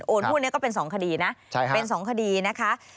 โอนหุ้นก็เป็นสองคดีนะเป็นสองคดีนะคะ